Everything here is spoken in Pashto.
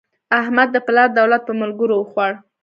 احمد د پلار دولت په ملګرو وخوړ.